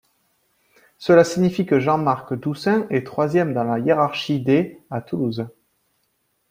Cela signifie que Jean-marc Doussain est troisième dans la hiérarchie des à Toulouse.